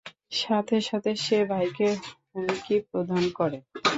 সাথে সাথে সে ভাইকে হুমকি প্রদান করে।